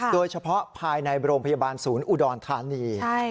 โดยเฉพาะภายในโรงพยาบาลศูนย์อุดรธานี